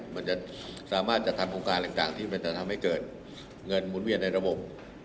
มันจะสามารถจัดทำโครงการต่างที่มันจะทำให้เกิดเงินหมุนเวียนในระบบ